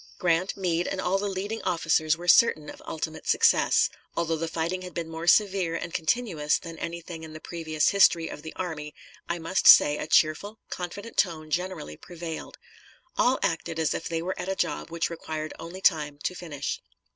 Grant, Meade, and all the leading officers were certain of ultimate success; although the fighting had been more severe and continuous than anything in the previous history of the army, I must say a cheerful, confident tone generally prevailed. All acted as if they were at a job which required only time to finish.